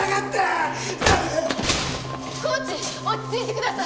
コーチ落ち着いてください！